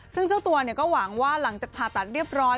ซึ่งเจ้าตัวก็หวังว่าหลังจากผ่าตัดเรียบร้อย